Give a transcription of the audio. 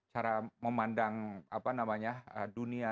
cara memandang dunia